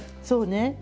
そうね。